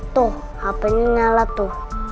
tuh hape ini ngala tuh